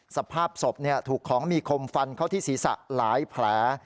สภาพศพถูกของมีคมฟันเข้าที่ศีรษะหลายแผล